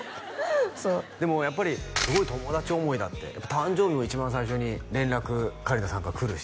でもやっぱりすごい友達思いだって誕生日も一番最初に連絡香里奈さんから来るし